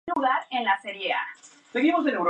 Dimitri es divertido, cálido y valiente.